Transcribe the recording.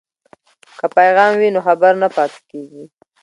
که پیغام وي نو خبر نه پاتې کیږي.